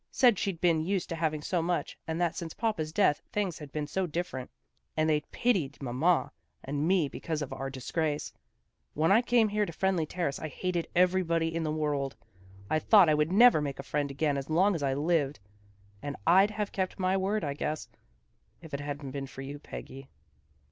Said she'd been used to having so much and that since papa's death things had been so different, and they pitied mamma and me because of our disgrace. When I came here to Friendly Ter race I hated everybody in the world. I thought I never would make a friend again as long as'I lived. And I'd have kept my word, I guess, if it hadn't been for you, Peggy."